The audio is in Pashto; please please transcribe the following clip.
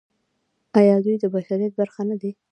آیا دوی د بشریت برخه نه دي؟